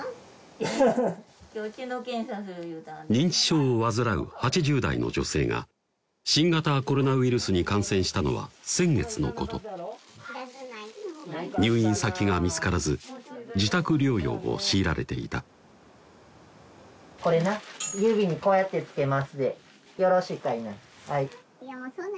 アハハッ認知症を患う８０代の女性が新型コロナウイルスに感染したのは先月のこと入院先が見つからず自宅療養を強いられていたこれなよろしいかいな？